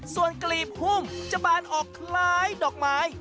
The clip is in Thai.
ส่วนกลีบหุ้มจะบานออกคล้ายดอกไม้